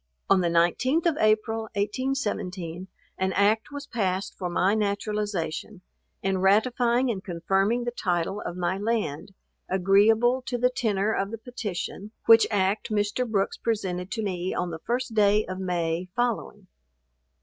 On the 19th of April, 1817, an act was passed for my naturalization, and ratifying and confirming the title of my land, agreeable to the tenor of the petition, which act Mr. Brooks presented to me on the first day of May following.